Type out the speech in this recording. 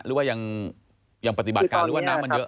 หรือว่ายังปฏิบัติการหรือว่าน้ำมันเยอะ